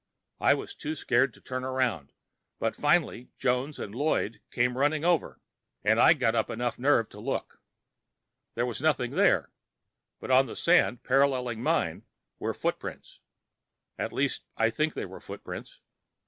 I was too scared to turn around, but finally Jones and Lloyd came running over, and I got up enough nerve to look. There was nothing there, but on the sand, paralleling mine, were footprints. At least I think they were footprints.